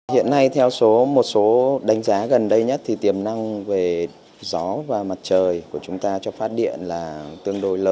hiện nay theo một số đánh giá gần đây nhất thì tiềm năng về gió và mặt trời của chúng ta cho phát điện là tương đối lớn